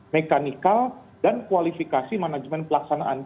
mekanikal dan kualifikasi manajemen pelaksanaan